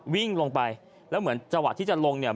วิ่งลงไปแล้วเหมือนจังหวะที่จะลงเนี่ย